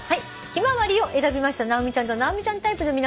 「ヒマワリ」を選びました直美ちゃんと直美ちゃんタイプの皆さん